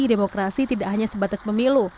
demokrasi tidak hanya sebatas pemilu